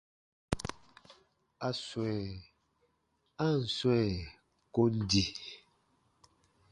A swɛ̃, a ǹ swɛ̃ kon di.